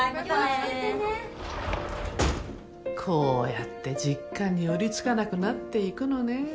こうやって実家に寄りつかなくなっていくのね。